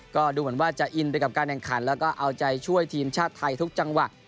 ก็ดูเหมือนว่าจะอินไปกับการแข่งขันแล้วก็เอาใจช่วยทีมชาติไทยทุกจังหวะ